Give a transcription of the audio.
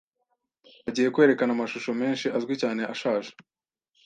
Bagiye kwerekana amashusho menshi azwi cyane ashaje.